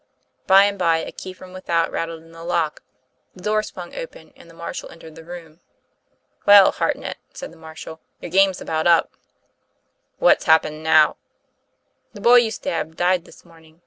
By and by, a key from without rattled in the lock, the door swung open, and the marshal entered the room. "Well, Hartnett,"said the marshal, "your game's about up." "What's happened now?" The boy you stabbed died this morning.